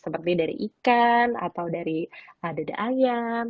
seperti dari ikan atau dari dada ayam